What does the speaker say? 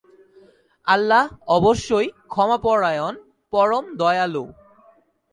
আল্লাহ অবশ্যই ক্ষমাপরায়ণ, পরম দয়ালু।